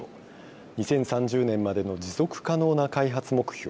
２０３０年までの持続可能な開発目標